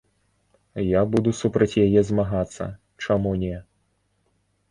Я буду супраць яе змагацца, чаму не.